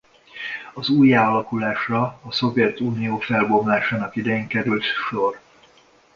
Az újjáalakulásra a Szovjetunió felbomlásának idején került sor.